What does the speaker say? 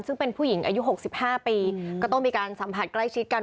ซึ่งเป็นผู้หญิงอายุ๖๕ปีก็ต้องมีการสัมผัสใกล้ชิดกัน